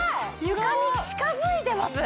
床に近づいてます